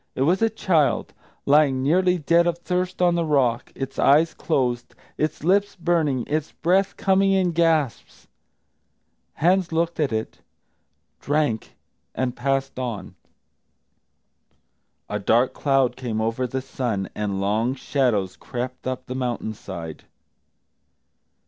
It was a child, lying nearly dead of thirst on the rock, its eyes closed, its lips burning, its breath coming in gasps. Hans looked at it, drank, and passed on. A dark cloud came over the sun, and long shadows crept up the mountain side.